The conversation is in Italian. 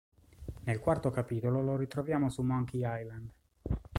Nel quarto capitolo lo ritroviamo su Monkey Island.